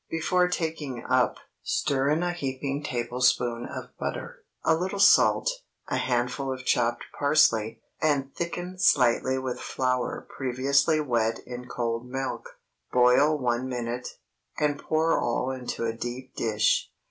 Before taking up, stir in a heaping tablespoonful of butter, a little salt, a handful of chopped parsley, and thicken slightly with flour previously wet in cold milk. Boil one minute, and pour all into a deep dish.